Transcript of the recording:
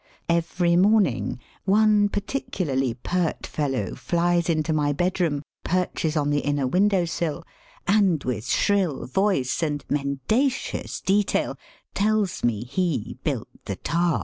281 Every morning one particularly pert fellow flies into my bedroom, perches on the inner window sill, and with shrill voice and men dacious detail tells me he built the Taj.